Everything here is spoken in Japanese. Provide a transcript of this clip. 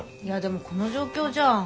いやでもこの状況じゃ。